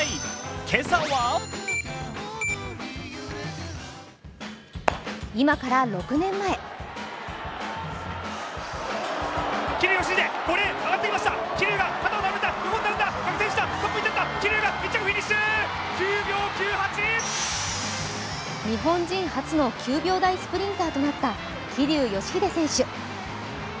今朝は今から６年前日本人初の９秒台スプリンターとなった桐生祥秀選手。